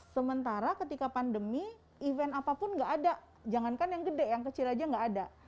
sementara ketika pandemi event apapun nggak ada jangankan yang gede yang kecil aja nggak ada